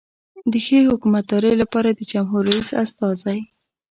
د ښې حکومتدارۍ لپاره د جمهور رئیس استازی.